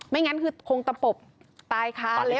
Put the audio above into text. ไม่งั้นคงตะปบตายคาเล็บ